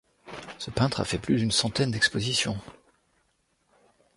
Ce peintre a fait plus d'une centaine d'expositions.